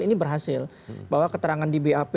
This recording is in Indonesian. ini berhasil bahwa keterangan di bap